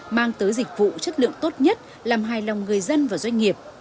mang tới dịch vụ chất lượng tốt nhất làm hài lòng người dân và doanh nghiệp